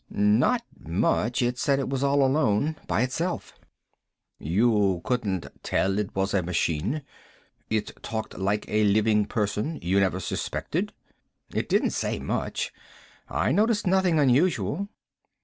"Not much. It said it was alone. By itself." "You couldn't tell it was a machine? It talked like a living person? You never suspected?" "It didn't say much. I noticed nothing unusual.